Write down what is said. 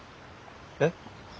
えっ？